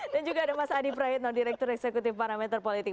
dan juga ada mas adi praetno direktur eksekutif parameter politik